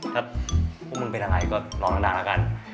ถ้าพวกมันเป็นอะไรก็นอนนานนานแล้วกัน